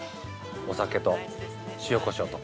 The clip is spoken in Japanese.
お酒と塩コショウと。